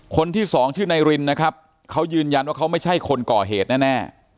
คนที่สองชื่อนายรินนะครับเขายืนยันว่าเขาไม่ใช่คนก่อเหตุแน่